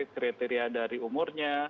kriteria dari umurnya